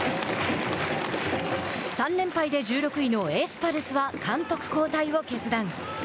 ３連敗で１６位のエスパルスは監督交代を決断。